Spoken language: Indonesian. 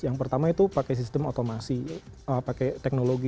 yang pertama itu pakai sistem otomasi pakai teknologi